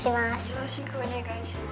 よろしくお願いします。